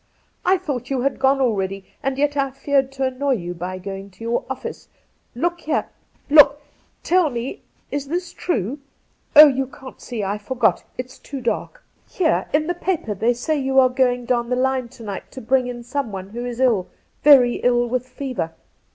' I thought you had gone already, and yet I feared to annoy you by going to your office. Look here — look ! Tell me, is this true ? Oh, you can't see — I forgot; it's too dark. Here in 154 Cassidy the paper they say you are going down the line to night to bring in someone who is ill, very ill with fever.